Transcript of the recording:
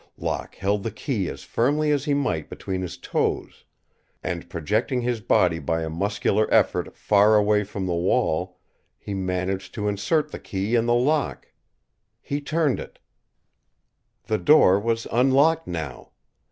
Locke held the key as firmly as he might between his toes and, projecting his body by a muscular effort far away from the wall, he managed to insert the key in the lock. He turned it. The door was unlocked now.